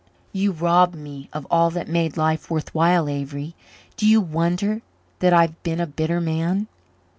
"You robbed me of all that made life worth while, Avery. Do you wonder that I've been a bitter man?"